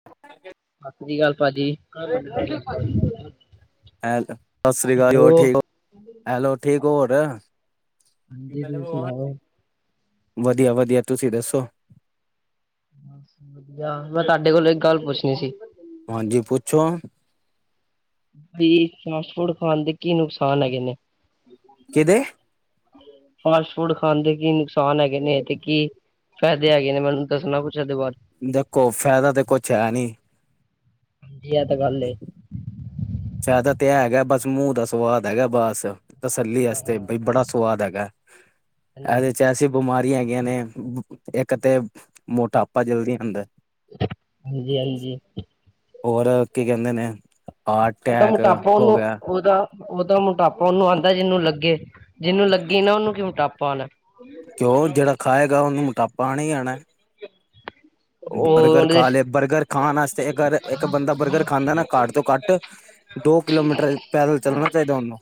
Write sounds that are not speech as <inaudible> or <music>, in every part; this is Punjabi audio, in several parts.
<unintelligible> ਸਸ਼੍ਰੀ ਕਾਲ ਭਾਜੀ ਐਲੋ‌, ਸਸ਼੍ਰੀ ਕਾਲ ਹੈਲੋ। ਓਰ ਠੀਕ ਓ, ਐਲੋ ਠੀਕ ਓ ਹੋਣ? ਹਾਂਜੀ ਤੁਸੀਂ ਸੁਣਾਓ? ਵਧੀਆ-ਵਧੀਆ, ਤੁਸੀਂ ਦੱਸੋ? ਮੈ ਤਾਡੇ ਕੋਲ ਏਕ ਗੱਲ ਪੁੱਛਣੀ ਸੀ ਹਾਂਜੀ ਪੁੱਛੋ ਦੀ ਫਾਸਟ ਫੂਡ ਖਾਣ ਦੇ ਕੀ ਨੁਕਸਾਨ ਹੈਗੇ ਨੇ? ਕਿਦੇ ਫਾਸਟ ਫੂਡ ਖਾਣ ਦੇ ਕੀ ਨੁਕਸਾਨ ਹੈਗੇ ਨੇ ਤੇ ਕੀ ਫੈਦੇ ਹੈਗੇ ਨੇ, ਮੈਨੂੰ ਦੱਸਣਾ ਕੁੱਛ ਏਦੇ ਬਾਰ ਦੇਖੋ, ਫੈਦਾ ਦੇਖੋ ਕੋਛ ਹੈ ਨੀ। ਜੀ ਐ ਤਾਂ ਗੱਲ ਏ ਫੈਦਾ ਤੇ ਹੈਗਾ ਬੱਸ ਮੂੰਹ ਦਾ ਸਵਾਦ ਹੈਗਾ ਬੱਸ, ਤਸੱਲੀ ਆਸਤੇ, ਬਈ ਹਾਂਜੀ, ਬੜਾ ਸੁਵਾਦ ਹੈਗੈ। ੲੈਦੇ ਚ ਐਸੀੇ ਬਮਾਰੀਆ ਹੈਗੀਆ ਨੇ, ਏਕ ਤੇ ਮੋਟਾਪਾ ਜਲਦੀ ਆਦੈ ਹਾਂਜੀ-ਹਾਂਜੀ ਹੋਰ, ਕੀ ਕੈੰਦੇ ਨੇ, ਹਾਟੈਕ ਹੋ ਗੇਆ ਓਤਾ ਮੋਟਾਪਾ ਓਨੂੰ ਆਦਾ ਜਿਨੂੰ ਲੱਗੇ, ਜਿਨੂੰ ਲੱਗੇ ਨਾ ਨੂੰ ਓਕੀ ਮੋਟਾਪਾ ਆਣਾ ਕਿਓ, ਜੇੜਾ ਖਾਏਗਾ ਓਨੂੰ ਮੋਟਾਪਾ ਆਣਾ ਈ ਆਣਾ ਉਹ ਬਰਗਰ ਉਹਦੇ ਖਾ ਲੇ ਬਰਗਰ ਖਾਣ ਆਸਤੇ ਅਗਰ ਇੱਕ ਬੰਦਾ ਬਰਗਰ ਖਾਂਦੈ ਨਾ ਘੱਟ ਤੋਂ ਘੱਟ ਦੋ ਕਿਲੋਮੀਟਰ ਪੈਦਲ ਚੱਲਣਾ ਚਾਹੀਦੈ ਉਹਨੂੰ,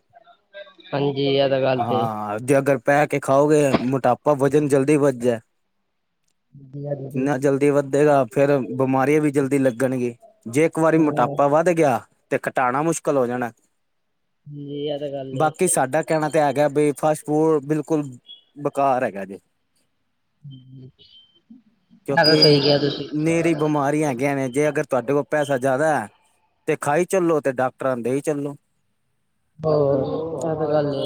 ਹਾਂਜੀ ਇਹ ਤਾਂ ਗੱਲ ਹਾਂ ਤੇ। ਹਾਂ ਜੇ ਅਗਰ ਬੈ ਕੇ ਖਾਓਗੇ ਮੋਟਾਪਾ ਵਜ਼ਨ ਜਲਦੀ ਵਧ ਜੇ ਹਾਂਜੀ, ਹਾਂਜੀ ਇੰਨਾ ਜਲਦੀ ਵੱਧੇਗਾ, ਫੇਰ ਬਿਮਾਰੀਆਂ ਵੀ ਜਲਦੀ ਲੱਗਣਗੇ। ਜੇ ਇੱਕ ਵਾਰੀ ਮੋਟਾਪਾ ਹਾਂਜੀ ਵੱਧ ਗਿਆ ਤੇ ਘਟਾਣਾ ਮੁਸ਼ਕਲ ਹੋ ਜਾਣੈ। ਇਹ ਤਾਂ ਗੱਲ ਏ। ਬਾਕੀ ਸਾਡਾ ਕਹਿਣਾ ਤੇ ਹੈਗੈ ਬਈ ਫਾਸਟ ਫੂਡ ਬਿਲਕੁਲ ਬੇਕਾਰ ਹੈਗੈ ਜੇ। ਐ ਤੇ ਸਹੀ ਕਿਉਂਕਿ ਕਿਹਾ ਤੁਸੀਂ। ਨੇਰੀ ਬਿਮਾਰੀਆਂ ਹੈਗੀਆਂ ਨੇ, ਜੇ ਅਗਰ ਤੁਹਾਡੇ ਕੋਲ ਪੈਸਾ ਜਾਦੈ ਤੇ ਖਾਈ ਚੱਲੋ ਤੇ ਡਾਕਟਰਾਂ ਦੇ ਦੇਈ ਚੱਲੋ। ਹੋਰ ਇਹ ਤੇ ਗੱਲ ਏ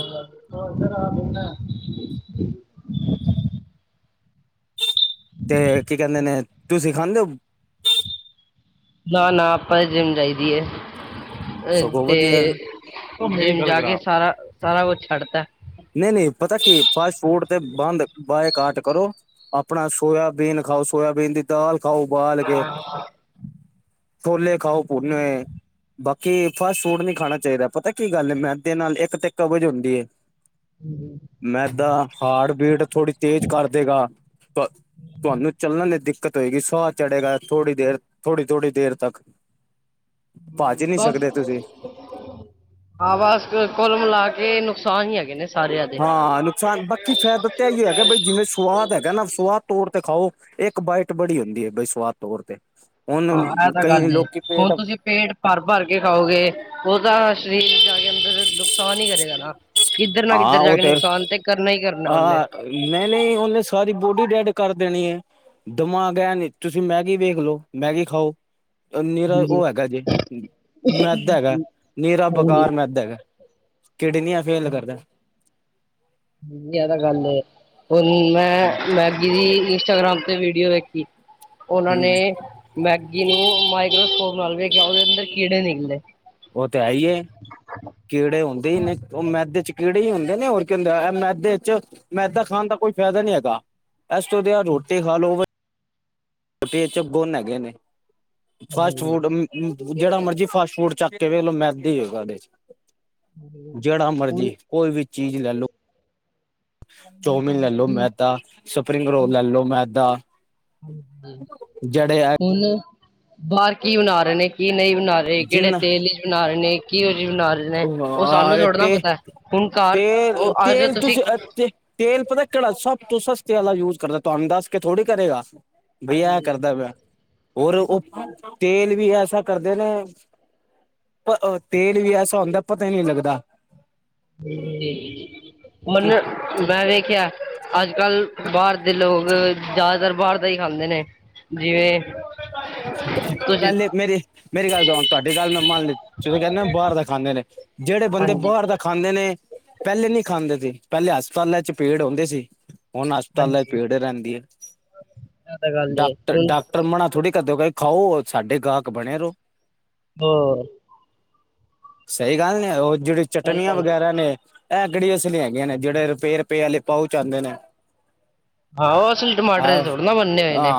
ਤੇ ਕੀ ਕਹਿੰਦੇ ਨੇ, ਤੁੂਸੀ ਖਾਂਦੇ ਓ? ਨਾ -ਨਾ, ਆਪਾਂ ਤੇ ਜਿੰਮ ਜਾਈਦੀ ਏ ਸਗੋਂ ਤੇ ਵਧੀਆ ਓ ਫੇਰ ਜਾ ਕੇ ਸਾਰਾ, ਸਾਰਾ ਕੁਛ ਛੱਡ ਤਾ। ਨਈ- ਨਈ, ਪਤਾ ਕੀ ਏ ਫਾਸਟ ਫੂਡ ਤੇ ਬੰਦ, ਬਾਏ ਕਾਟ ਕਰੋ ਆਪਣਾ ਸੋਇਆਬੀਨ ਖਾਓ, ਸੋਇਆਬੀਨ ਦੀ ਦਾਲ ਖਾਓ ਉਬਾਲ ਕੇ। ਛੋਲੇ ਖਾਓ ਭੁੰਨੇ ਹੋਏ, ਬਾਕੀ ਫਾਸਟ ਫੂਡ ਨੀ ਖਾਣਾ ਚਾਹੀਦਾ ਪਤੈ ਇਹ ਗੱਲ ਮੈਦੇ ਨਾਲ ਇੱਕ ਤੇ ਕਬਜ ਹੁੰਦੀ ਏ। <inaudible> ਮੈਦਾ ਹਾਰਟ ਬੀਟ ਥੋੜ੍ਹੀ ਤੇਜ਼ ਕਰ ਦੇਗਾ ਤੁਵਾਨੂੰ ਚੱਲਣ ਲਈ ਦਿੱਕਤ ਹੋਏਗੀ, ਸਾਹ ਚੜ੍ਹੇਗਾ ਥੋੜ੍ਹੀ ਦੇਰ ਥੋੜ੍ਹੀ- ਥੋੜ੍ਹੀ ਦੇਰ ਤੱਕ। <inaudible> ਭੱਜ ਨਹੀਂ ਬਸ ਸਕਦੇ ਤੁਸੀਂ। ਹਾਂ ਬਸ ਕੁਲ ਮਿਲਾ ਕੇ ਨੁਕਸਾਨ ਈ ਹੈਗੇ ਨੇ। ਸਾਰਿਆਂ ਦੇ ਹਾਂ ਨੁਕਸਾਨ ਬਾਕੀ ਫੈਦਾ ਤਾਂ ਇਹੀਓ ਹੈਗੈ ਬਈ ਜਿਵੇਂ ਸੁਵਾਦ ਹੈਗੈ ਨਾ ਸੁਵਾਦ ਤੋਰ ਤੇ ਖਾਓ। ਇੱਕ ਬਾਈਟ ਬੜੀ ਹੁੰਦੀ ਏ ਬਸ ਸਵਾਦ ਤੌਰ ਤੇ, ਹਾਂ ਹੁਣ ਇਹ ਤਾਂ ਕਈ ਗੱਲ ਏ ਲੋਕੀ ਪੇਟ ਹੁਣ ਤੁਸੀਂ ਪੇਟ ਭਰ- ਭਰ ਕੇ ਖਾਓਗੇ ਉਹ ਤਾਂ ਸਰੀਰ ਜਾ ਕੇ ਅੰਦਰ ਨੁਕਸਾਨ ਹੀ ਕਰੇਗਾ ਨਾ। ਕਿੱਧਰ ਨਾ ਹਾਂ ਕਿੱਧਰ ਜਾ ਕੇ ਨੁਕਸਾਨ ਤੇ ਕਰਨਾ ਈ ਕਰਨੈ ਉਹਨੇ। ਨਈ- ਨਈ, ਉਹਨੇ ਸਾਰੀ ਬੋਡੀ ਡੈਡ ਕਰ ਦੇਣੀ ਏ। ਦਿਮਾਗ ਹੈ ਨੀ, ਤੁਸੀਂ ਮੈਗੀ ਵੇਖ ਲੋ, ਮੈਗੀ ਖਾਓ ਨੀਰਾ ਹਾਂਜੀ ਉਹ ਹੈਗਾ ਜੇ, ਮੈਦਾ ਹੈਗੈ, ਨੀਰਾ ਹਾਂਜੀ ਬੇਕਾਰ ਮੈਦਾ ਹੈਗੈ। ਕਿਡਨੀਆਂ ਫੇਲ ਕਰਦੈ। ਜਾਦਾ ਗੱਲ ਏ, ਹੁਣ ਮੈਂ ਮੈਗੀ ਦੀ ਇੰਸਟਾਗ੍ਰਾਮ ਤੇ ਵੀਡੀਓ ਵੇਖੀ ਓਨਾਂ ਨੇ ਹਮ ਮੈਗੀ ਨੂੰ ਮਾਈਕ੍ਰੋਸਕੋਪ ਨਾਲ ਵੇਖਿਐ, ਓਦੇ ਅੰਦਰ ਕੀੜੇ ਨਿਕਲੇ। ਓ ਤੇ ਹੈ ਈ ਏ। ਕੀੜੇ ਹੁੰਦੇ ਈ ਨੇ, ਓ ਮੈਦੇ ਚ ਕੀੜੇ ਈ ਹੁੰਦੇ ਨੇ ਹੋਰ ਕੀ ਹੁਂਦੈ, ਐ ਮੈਦੇ ਚ ਮੈਂਦਾ ਖਾਨ ਦਾ ਕੋਈ ਫੈਦਾ ਨੀ ਹੈਗਾ, ਐਸ ਤੋਂ ਵਧੀਆ ਰੋਟੀ ਖਾ ਲੋ ਰੋਟੀੇ ਏਚ ਗੂਨ ਹੈਗੇ ਨੇ, ਫਾਸਟ ਫੂਡ ਮ ਜੇੜਾ ਮਰਜੀ ਫਾਸਟ ਫੂਡ ਚੱਕ ਕੇ ਵੇਖ ਲੋ ਮੈਦਾ ਈ ਹੋਏਗਾ ਓਦੇ ਚ। ਜੇੜਾ ਹੁਣ ਮਰਜੀ ਕੋਈ ਵੀ ਚੀਜ ਲੈ ਲੋ ਚੌਮਿਨ ਲੈਲੋ ਮੈਦਾ, ਸਪਰਿੰਗ ਰੋਲ ਲੈਲੋ ਮੈਦਾ। ਜਿਹੜੇ ਹੁਨ ਬਾਰ ਕੀ ਬਨਾ ਰੇ ਨੇ, ਕੀ ਨਈ ਬਨਾ ਰੇ ਈ ਕੈੜੇ ਜਿੰਨ ਤੇਲ ਚ ਬਨਾ ਰੇ ਨੇ, ਕੀ ਓ ਜੀ ਬਨਾ ਰੇ ਨੇ ਨੇ ਓਹ ਸਾਨੂੰ ਥੋੜਾ ਨਾ ਪਤੈ, ਹੁਨ ਘਰ ਤੇਲ ਓ ਆਜੋ ਤੇਲ ਤੂਸੀ ਤੁਸੀਂ ਤੇ ਤੇਲ ਪਤਾ ਕੇੜਾ, ਸਭ ਤੋ ਸਸਤੇ ਆਲਾ ਯੂਜ਼ ਕਰਦੈ, ਤੂਆਨ ਦੱਸ ਕੇ ਥੋੜੀ ਕਰੇਗਾ ਬਈ ਆ ਹਾਂਜੀ ਕਰਦਾ ਪੇਆ। ਔਰ ਓ ਤੇਲ ਵੀ ਐਸਾ ਕਰਦੇ ਨੇ, ਪ ਅ ਤੇਲ ਵੀ ਐਸਾ ਤਾ ਹੋਂਦਾ ਪਤਾ ਈ ਨੀ ਲਗਦਾ। ਹੂੰ, ਮਨ ਮੈਂ ਵੇਖੇਆ ਅਜ-ਕਲ ਬਾਰ ਦੇ ਲੋਕ ਜਾਦਾਤਰ ਬਾਰ ਦਾ ਈ ਖਾਂਦੇ ਨੇ। ਜਿਵੇਂ ਪ ਤੁਸੀਂ ਪੈਲੇ ਮੇਰੀ, ਮੇਰੀ ਗੱਲ ਸੁਨ, ਤੁਆਡੀ ਗੱਲ ਮੈਂ ਮੰਨ ਲੀ, ਤੁਸੀ ਕੈਂਦੇਂ ਬਾਰ ਦਾ ਖਾਂਦੇ ਨੇ ਜੇੜੇ ਬੰਦੇ ਹਾਂਜੀ ਬਾਰ ਦਾ ਖਾਂਦੇ ਨੇ, ਪੈਲੇ ਨੀ ਖਾਂਦੇ ਸੀ, ਪੈਲੇ ਹਸਪਤਾਲਾਂ ਚ ਭੀੜ ਹੁੰਦੀ ਸੀ। ਹੁਨ ਹਸਪਤਾਲਾਂ ਚ ਹਾਂਜੀ ਭੀੜ ਰੈਂਦੀ ਏ, ਇਹ ਤਾਂ ਗੱਲ ਏ ਡਾਕਟਰ, ਹੁਣ ਡਾਕਟਰ ਮਨਾ ਥੋੜੀ ਕਰਦੇ ਪਏ ਖਾਓ, ਔਰ ਸਾਡੇ ਗਾਕ ਬਣੇ ਰੋ। ਹੋਰ ਸਈ ਗੱਲ ਨੀ ਐ, ਓ ਜੇੜੀ ਸਹੀ ਚਟਨੀਆਂ ਗੱਲ ਏ ਵਗੈਰਾ ਨੇ ਐ ਕੇੜੀ ਅਸਲੀ ਹੈਗੀਆਂ ਨੇ, ਜੇੜੇ ਰਪੈ-ਰਪੈ ਆਲੇ ਪਾਉਚ ਆਂਦੇ ਨੇ। ਹਾ ਓ ਅਸਲੀ ਟਮਾਟਰ ਦੇ ਆਹ ਥੋੜੀ ਨਾ ਬੱਨੇ ਹੋਏ ਨੇ, ਹਾਂ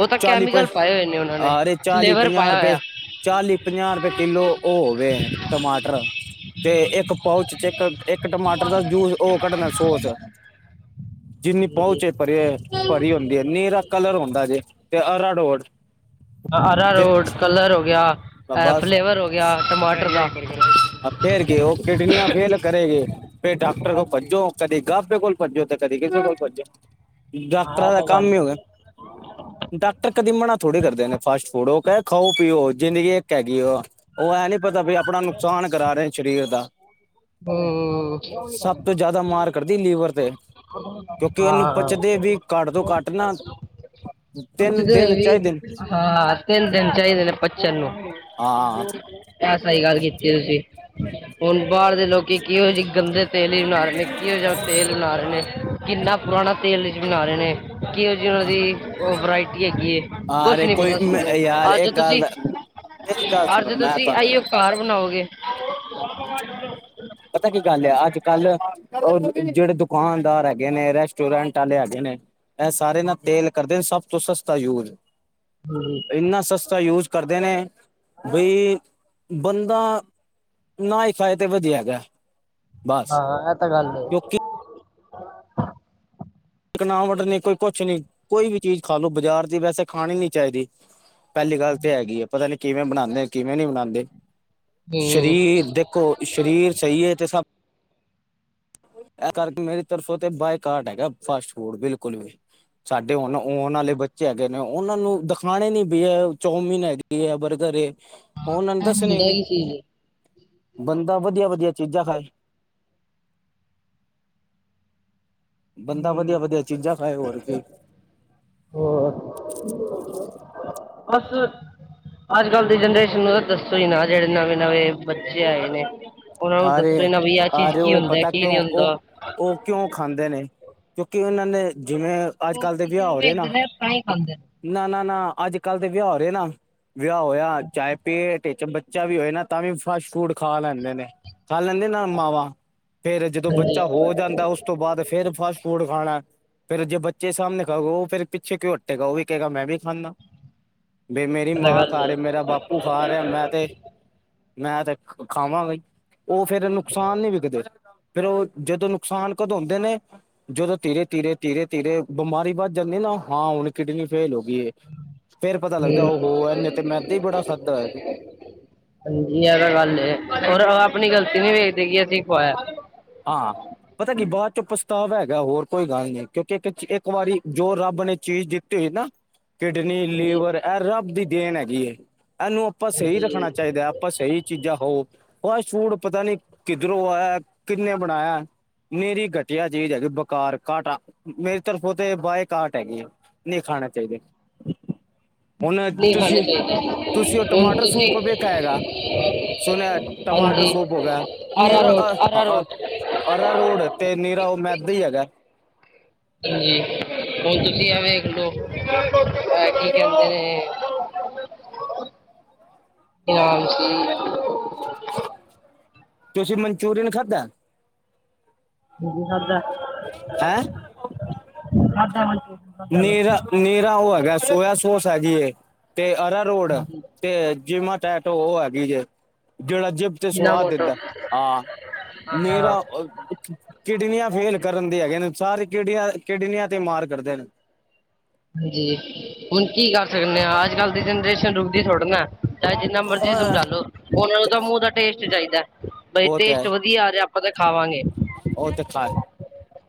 ਓ ਤਾ ਕੈਮੀਕਲ ਪਾਏ ਹੋਏ ਨੇ ਓਨਾ ਆਰੇ ਚਾਲੀ-ਪੰਜਾਅ ਰਪਏ ਚਾਲੀ-ਪੰਜਾਅ ਰਪਏ ਕਿੱਲੋ ਓ ਹੋਗੇ, ਟਮਾਟਰ ਤੇ ਏਕੱ ਪਾਊਚ ਚ ਏਕੱ- ਏਕੱ ਟਮਾਟਰ ਦਾ ਜੂਸ ਓ ਕੱਡਨਾ ਸੋਚ ਜਿੰਨੀ ਹਾਂਜੀ ਪਾਉਚ ਏ ਭਰੇ ਐ, ਭਰੀ ਹੁੰਦੀ ਏ, ਨੀਰਾ ਕਲਰ ਹੁੰਦਾ ਜੇ, ਤੇ ਅਰਾੜੋੜ ਅਰਾਰੋਡ ਕਲਰ ਹੋ ਗੇਆ, ਐ ਫਲੇਵਰ ਹੋ ਗੇਆ ਟਮਾਟਰ ਦਾ ਹਾਂਜੀ ਆ ਫੇਰ ਕੇ, ਓ ਕਿਡਨੀਆਂ ਫੇਲ ਕਰੇਗੇ। ਫੇਰ ਡਾਕਟਰ ਹਾਂ ਕੋਲ ਭੱਜੋ, ਕਦੇ ਗਾਬੇ ਕੋਲ ਭੱਜੋ, ਤੇ ਕਦੇ ਕਿਸੇ ਕੋਲ ਭੱਜੋ। ਇਹ ਡਾਕਟਰਾਂ ਦਾ ਤਾਂ ਗੱਲ ਕੰਮ ਈ ਹੋਗੇਆ, ਏ ਡਾਕਟਰ ਕਦੀ ਮਣਾ ਥੋੜੀ ਕਰਦੇ ਨੇ ਫਾਸਟ ਫੂਡ, ਓ ਕੈ ਖਾਓ-ਪੀਓ, ਜ਼ਿੰਦਗੀ ਏੱਕ ਹੈਗੀ ਏ, ਓ ਐ ਨੀ ਪਤਾ ਬੀ ਅਪਣਾ ਨੂੰ ਨੁਕਸਾਨ ਕਰਾ ਰੇ ਸ਼ਰੀਰ ਦਾ। ਸਬ ਤੋ ਹੂੰ ਜਾਦਾ ਮਾਰ ਕਰਦੀ ਲੀਵਰ ਤੇ। ਕਿਓਕਿ ਓਨੂੰ ਹਾਂ ਪੁਚਦੇ ਵੀ, ਘਾੱਟ ਤੋ ਘਾੱਟ ਨਾ ਤੇੱਨ ਦੇੱਨ ਚਾਈਦੇ ਨੇ। ਹਾ, ਤੇੱਨ ਦੇੱਨ ਚਾਈਦੇ ਨੇ ਪੱਚਨ ਨੂੰ। ਹਾਂ ਐ ਸਈ ਗਾੱਲ ਕੀਤੀ ਏ ਤੂਸੀ, ਹੁਨ ਬਾਰ ਦੇ ਲੋਕੀ ਕੇਹੋ ਜੀ ਗੰਦੇ ਤੇਲ ਈ ਬਨਾ ਰੇ ਨੇ, ਕੇਹੋ ਜਾ ਤੇਲ ਬਨਾ ਰੇ ਨੇ ਕਿੰਨਾ ਪੁਰਾਣਾ ਤੇਲ ਇਚ ਬਨਾ ਰੇ ਨੇ, ਕੇਹੋ ਜੀ ਓਨਾਂ ਦੀ ਓ ਵਰਾਇਟੀ ਹੈਗੀ ਏ ਕੋਛ ਯਾਰ ਨੀ ਕੋਈ ਪਤਾ ਸਾਨੂੰ, ਯਾਰ ਅੱਜ ਇੱਕ ਗੱਲ ਤੁਸੀ, ਦਾ ਮੇਰੀ ਗੱਲ ਸੁਣੋ ਅੱਜ ਮੈਂ ਤੁਸੀ ਤੁਹਾਨੂੰ ਆਈਓ ਘਾਰ ਬਨਾਓਗੇ ਪਤਾ ਕੀ ਗੱਲ ਏ ਅੱਜ-ਕਲ ਓ ਜੇੜੇ ਦੁਕਾਨਦਾਰ ਹੈਗੇ ਨੇ, ਰੈਸਟੋਰੈਂਟ ਆਲੇ ਹੈਗੇ ਨੇ, ਐ ਸਾਰੇ ਨਾ ਹਾਂਜੀ ਤੇਲ ਕਰਦੇ ਨੇ ਸਬ ਤੋਂ ਸਸਤਾ ਯੂਜ਼, ਏਂਨਾ ਸਸਤਾ ਯੂਜ਼ ਕਰਦੇ ਨੇ ਬਈ ਬੰਦਾ ਨਾ ਈ ਖਾਏ ਤੇ ਵਦੀਆ ਹੈਗਾ। ਬਸ ਹਾਂ-ਹਾਂ ਐ ਤਾਂ ਗੱਲ ਏ। ਕਿਉਂਕਿ ਚਿਕਨਾਵਟ ਨੀ ਕੋਈ ਕੁਛ ਨੀ ਕੋਈ ਵੀ ਚੀਜ਼ ਖਾ ਲੋ ਬਾਜ਼ਾਰ ਦੀ ਵੈਸੇ ਖਾਣੀ ਨੀ ਚਾਈਦੀ। ਪੇਲੀ ਗੱਲ ਤਾਂ ਹੂੰ ਹੈਗੀ ਏ ਪਤਾ ਨੀ ਕਿਵੇਂ ਬਣਾਦੇ ਕਿਵੇਂ ਨਈ ਬਣਾਦੇ ਇਹ ਸ਼ਰੀਰ ਦੇ ਕੋ ਸ਼ਰੀਰ ਸਈ ਏ ਤੇ ਸਭ ਐ ਕਰਕੇ ਮੇਰੀ ਤਰਫੋਂ ਤੇ ਬਾਏਕਾਟ ਹੈਗਾ ਫਾਸਟ ਫੂਡ ਬਿਲਕੁਲ ਵੀ। ਸਾਡੇ ਹੁਣ ਓਣ ਆਣ ਵਾਲੇ ਬੱਚੇ ਹੈਗੇ ਨੇ ਓਨਾਂ ਨੂੰ ਦਿਖਾਣਾ ਨੀ ਬੀ ਏ ਚੌਮਿਨ ਹੈਗੀ ਏ ਬਰਗਰ ਏ। ਓਨਾਂ ਨੂੰ ਦੱਸਣੇ ਹੁੰਦਾ ਨੀ, ਕੀ ਚੀਜ਼ ਹੈ ਬੰਦਾ ਵੱਧੀਆ-ਵੱਧੀਆ ਚੀਜ਼ਾਂ ਖਾਏ। ਬੰਦਾ ਹੂੰ ਵਦੀਆ-ਵਦੀਆ ਚੀਜ਼ਾਂ ਖਾਏ ਹੋਰ ਕੀ। ਹੋਰ, ਬਸ ਅੱਜ-ਕੱਲ ਦੀ ਜਨਰੇਸ਼ਨ ਨੂੰ ਤਾਂ ਦੱਸੋ ਈ ਨਾ ਜੇੜੇ ਨਵੇਂ-ਨਵੇਂ ਬੱਚੇ ਆਏ ਨੇ। ਓਨਾਂ ਨੂੰ ਆ ਦੱਸੋ ਈ ਰਹੇ ਨਾ ਵੀ ਆ ਚੀਜ਼ ਕੀ ਹੁੰਦਾ ਕੀ ਨਈਂ ਹੁੰਦਾ। ਓ ਕਿਉਂ ਖਾਂਦੇ ਨੇ ਕਿਉਂਕਿ ਓਨਾਂ ਨੇ ਜਿਵੇਂ ਉਹ ਅੱਜ-ਕੱਲ ਦੇ ਕਿਸੇ ਵਿਆ ਨੂੰ ਹੋ ਰੇ ਨਾ ਵੇਖਦੇ ਨੇ ਤਾਂ ਹੀ ਖਾਂਦੇ ਨੇ ਨਾ-ਨਾ-ਨਾ ਅੱਜ-ਕੱਲ ਦੇ ਵਿਆ ਹੋ ਰੇ ਨਾ ਵਿਆ ਹੋਏਆ ਚਾਏ ਪੇਟ ਚ ਬੱਚਾ ਵੀ ਹੋਏ ਨਾ ਤਾਂ ਵੀ ਫਸਟ ਫੂਡ ਖਾ ਲੈਂਦੇ ਨੇ, ਖਾ ਲੈਂਦੇ ਨਾ ਮਾਵਾਂ? ਫੇਰ ਜਦੋਂ ਹਾਂਜੀ ਬੱਚਾ ਹੋ ਜਾਂਦਾ ਉਸ ਤੋਂ ਬਾਦ ਫੇਰ ਫਾਸਟ ਫੂਡ ਖਾਨੈ। ਫੇਰ ਜੇ ਬੱਚੇ ਸਾਮਨੇ ਖਾਊਗਾ ਓ ਫੇਰ ਪਿੱਛੇ ਕਿਉਂ ਹਟੇਗਾ ਓ ਵੀ ਕਹੇਗਾ ਮੈਂ ਵੀ ਖਾਂਨਾ। ਬੀ ਮੇਰੀ ਇਹ ਤਾਂ ਮਾਂ ਗੱਲ ਖਾ ਰੀ ਮੇਰਾ ਬਾਪ ਪੂ ਖਾ ਰਿਆ ਐ ਮੈਂ ਤੇ ਮੈਂ ਤੇ ਖਾਵਾਂਗਾ ਈ। ਓ ਫੇਰ ਨੁਕਸਾਨ ਨੀ ਵਿਕਦੇ ਫੇਰ ਓ ਜਦੋਂ ਨੁਕਸਾਨ ਕਦੋਂ ਹੁੰਦੇ ਨੇ ਜਦੋਂ ਧੀਰੇ-ਧੀਰੇ-ਧੀਰੇ-ਧੀਰੇ ਬਿਮਾਰੀ ਵੱਦ ਜਾਂਦੀ ਐ ਨਾ ਹਾਂ ਹੁਨ ਕਿਡਨੀ ਫੇਲ ਹੋ ਗੀਏ। ਫੇਰ ਪਤਾ ਏ ਲੱਗਦਾ ਓ ਹੂੰ ਹੋ ਐੇਨੇ ਤੇ ਮੈਦਾ ਈ ਬੜਾ ਖਾਦਾ ਹੋਏਆ। ਹਾਂ ਏ ਤਾਂ ਗੱਲ ਏ ਹੋਰ ਆਪਨੀ ਗਲਤੀ ਨੀ ਵੇਖਦੇ ਕਿ ਅਸੀਂ ਖੁਆਏਆ। ਹਾਂ। ਪਤਾ ਕੀ ਬਾਚੋ ਪਛਤਾਵਾ ਹੈਗਾ ਹੋਰ ਕੋਈ ਗੱਲ ਨੀ ਕਿਓਂਕੇ ਇੱਕ-ਇੱਕ ਵਾਰੀ ਜੋ ਰੱਬ ਨੇ ਚੀਜ਼ ਦਿੱ ਤੀ ਹੋਈ ਨਾ ਕਿਡਨੀ, ਹਾਂਜੀ ਲੀਵਰ ਐ ਰੱਬ ਦੀ ਦੇਨ ਹੈਗੀ ਐ ਏਨੂੰ ਆਪਾਂ ਸਈ ਰੱਖਨਾ ਹਾਂਜੀ ਚਾਈਦੈ। ਬਸ ਏਹੀ ਚੀਜਾਂ ਖਾਓ ਫਾਸਟਫੂਡ ਪਤਾ ਨੀ ਕਿੱਦਰੋਂ ਆਏਆ ਕਿੰਨੇ ਬਨਾਏਆ? ਮੇਰੀ ਗਟੀਆ ਚੀਜ਼ ਹੈਗੀ ਬੁਕਾਰ ਘਾਟਾ ਮੇਰੀ ਤਰਫੋਂ ਤੇ ਬਾਏ ਘਾਟ ਹੈਗੀ ਐ। ਨਈਂ ਖਾਣੈ ਚਾਈਦੇ। ਹੁਨ ਨਹੀਂ ਖਾਣੇ ਤੁਸੀਂ, ਚਾਹੀਦੇ ਤੁਸੀਂ ਓ ਹੁਣ ਟਮਾਟਰ ਸੂਪ ਤੁਸੀਂ ਵੇਖਾ ਹੈਗਾ? ਸੁਨੇਆ ਟਮਾਟਰ ਹਾਂਜੀ ਸੂਪ ਹੋ ਗਿਆ ਨੀਰਾ ਅਰਾਰੋਟ ਅ ਅ ਅਰਾਰੋਟ ਅਰਾ ਰੋਡ ਤੇ ਨੀਰਾ ਓ ਮੈਦਾ ਈ ਹੈਗਾ। ਹਾਂਜੀ ਹੁਨ ਤੁਸੀਂ ਐ ਵੇਂਖਲੋ ਐ ਕੀ ਕੈਂਦੇ ਨੇ? ਹਾਂਜੀ। ਤੁਸੀ ਮਨਚੂਰੀਅਨ ਖਾਦੈ? ਖਾਦੈ। ਨੀਰਾ-ਨੀਰਾ ਓ ਹੈਗਾ ਸੋਏਆ ਸੋਸ ਹੈਗੀ ਏ ਤੇ ਅਰਾ ਰੋਡ। ਤੇ ਜਿਮਾ ਟੈਟ ਓ ਹੈਗੀ ਜੇ ਜੇੜਾ ਜਿਮ ਤੇ ਬਿਨਾਂ ਸੁਵਾਦ ਮੋਟੋ ਦਿੰਦਾ ਹਾਂ, ਹਾਂ ਨੀਰਾ ਅ- ਕਿਡਨੀਆਂ ਫੇਲ ਕਰਨ ਦੇ ਹੈਗੇ ਨੇ ਸਾਰੇ ਕਿਡੀਆਂ-ਕਿਡਨੀਆਂ ਤੇ ਮਾਰ ਕਰਦੇ ਨੇ। ਹਾਂਜੀ ਹੁਨ ਕੀ ਕਰ ਸਕਨੇ ਆਂ ਅੱਜ-ਕੱਲ ਦੀ ਜਨਰੇਸ਼ਨ ਰੁਕਦੀ ਥੋੜੀ ਨੈ। ਚਾਹੇ ਜਿੰਨਾ ਮਰਜ਼ੀ ਹਾਂ, ਸਮਝਾ ਲੋ ਓਨਾਂ ਨੂੰ ਤਾਂ ਮੂੰਹ ਦਾ ਟੇਸਟ ਚਾਈਦਾ ਬਈ ਟੇਸਟ ਵਦੀ ਵਦੀਆ ਆ ਰਿਆ ਆਪਾਂ ਤਾਂ ਖਾਵਾਂਗੇ। ਓ ਤੇ ਖਾ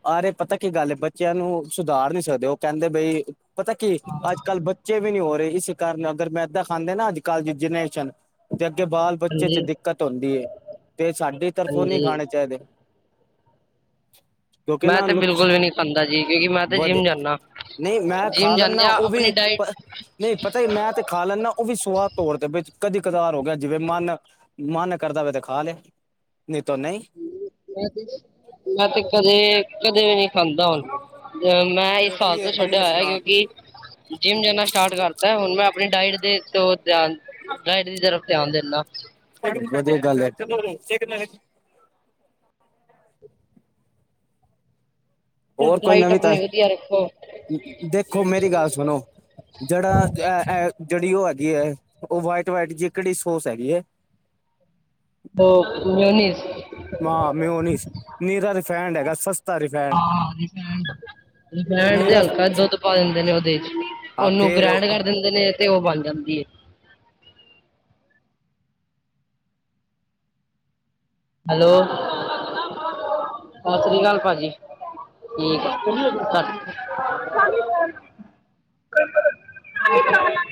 ਆਰੇ ਪਤਾ ਕੀ ਗੱਲ ਐ ਬੱਚੇਆਂ ਨੂੰ ਸੁਧਾਰ ਨੀ ਸਕਦੇ ਓ ਕੈਂਦੇ ਬਈ ਪਤਾ ਕੀ ਅੱਜ-ਕੱਲ ਬੱਚੇ ਵੀ ਨੀ ਹੋ ਰਹੀ ਇਸ ਕਾਰਨ ਅਗਰ ਮੈਦਾ ਖਾਂਦੇ ਨਾ ਅੱਜ-ਕੱਲ ਦੀ ਜਨਰੇਸ਼ਨ ਤੇ ਅੱਗੇ ਬਾਲ ਬੱਚੇ ਚ ਹਾਂਜੀ ਦਿੱਕਤ ਹੁੰਦੀ ਐ ਤੇ ਸਾਡੀ ਤਰਫੋਂ ਨੀ ਹਾਂਜੀ ਖਾਣੇ ਚਾਈਦੇ। ਕਿਉਂਕਿ ਮੈਂ ਨਾ ਤੇ ਨੁਕਸ ਬਿਲਕੁਲ ਵੀ ਨਹੀਂ ਖਾਂਦਾ ਜੀ ਕਿਉਂਕਿ ਮੈਂ ਤੇ ਵਦੇ ਜਿੰਮ ਜਾਂਦਾ ਨਈਂ ਮੈਂ ਖਾ ਜਿੰਮ ਲੈਂਨਾ ਜਾਂਦੇ ਆ ਓ ਵੀ ਆਪਣੀ ਡਾਇਟ ਨਈ ਪਤਾ ਈ ਮੈਂ ਤੇ ਖਾ ਲੈਂਣਾ, ਓ ਵੀ ਸੁਵਾਦ ਤੌਰ ਤੇ ਵਿਚ ਕਦੀ ਕਦਾਰ ਹੋ ਗਿਆ। ਜਿਵੇਂ ਮਨ ਮਨ ਕਰਦਾ ਵੇ ਤੇ ਖਾ ਲਿਆ, ਨਈ ਤੋ ਨਈ। ਮੈਂ ਮੈਂ ਤੇ ਕਦੇ ਕਦੇ ਨੀ ਖਾਂਦਾ ਹੁਣ। ਮੈਂ ਇਸ ਸਾਲ ਤੋਂ ਛੱਡਿਆ ਹੋਇਆ ਕਿਉਂਕਿ ਜਿੰਮ ਜਾਣਾ ਸਟਾਟ ਕਰਤਾ, ਹੁਣ ਮੈਂ ਆਪਣੀ ਡਾਇਟ ਤੇ ਧਿਆਨ ਡਾਈਟ ਦੀ ਤਰਫ਼ ਧਿਆਨ ਦਿੰਨਾ। ਵਧੀਆ ਗੱਲ ਐ। ਹੋਰ ਕੋਈ ਡਾਇਟ ਨਵੀਂ ਆਪਣੀ ਵਧੀਆ ਰੱਖੋ ਤਾਜੀ, ਦੇਖੋ ਮੇਰੀ ਗੱਲ ਸੁਣੋ। ਜੜਾ ਐ ਜੇੜੀ ਓ ਹੈਗੀ ਐ ਓ ਵਾਈਟ ਵਾਈਟ ਜੀ ਕੇੜੀ ਸੋਸ ਹੈਗੀ ਏ। ਓ ਮਿਉਨੀਸ। ਹਾਂ ਮਿਉਨੀਸ, ਨਿਰਾ ਰਫੈਂਡ ਹੈਗਾ ਸਸ ਹਾਂ, ਰੀਫੈਂਡ। ਰਿਫੈਂਡ ਤੇ ਨੀਰਾ ਹਲਕਾ ਦੁੱਧ ਪਾ ਦਿੰਦੇ ਨੇ ਓਦੇ 'ਚ ਆ ਓਨੂੰ ਫੇਰ ਗ੍ਰੈਂਡ ਕਰ ਦਿੰਦੇ। ਤੇ ਨੇ ਤੇ ਓ ਬਣ ਜਾਂਦੀ ਏ। ਹੈਲੋ ਸਾਸਰੀਸਕਾਲ ਭਾਜੀ ਜੀ। <unintelligible> <unintelligible>